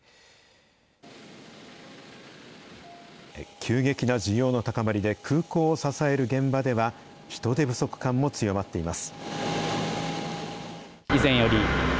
急激な需要の高まりで、空港を支える現場では人手不足感も強まっています。